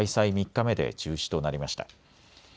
３日目で中止となりました。